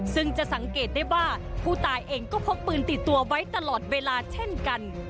ซึ่งจะสังเกตได้ว่าผู้ตายเองก็พกปืนติดตัวไว้ตลอดเวลาเช่นกัน